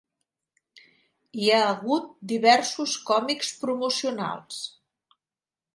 Hi ha hagut diversos còmics promocionals.